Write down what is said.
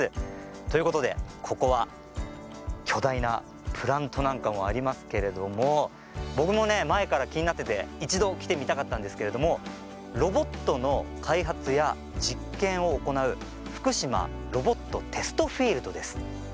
ということでここは巨大なプラントなんかもありますけれども僕も前から気になってて、一度来てみたかったんですけれどもロボットの開発や実験を行う福島ロボットテストフィールドです。